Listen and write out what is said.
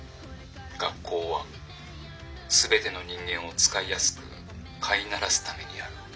「学校は全ての人間を使いやすく飼いならすためにある」。